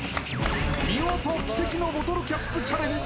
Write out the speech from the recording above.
見事奇跡のボトルキャップチャレンジ